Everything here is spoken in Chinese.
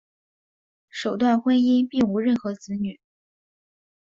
首段婚姻并无任何子女。